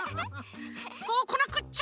そうこなくっちゃ！